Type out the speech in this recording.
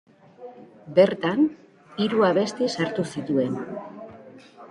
Bertan, hiru abesti sartu zituen.